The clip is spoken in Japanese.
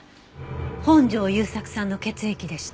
本城雄作さんの血液でした。